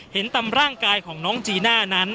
เห็นตามร่างกายของน้องจีน่านั้น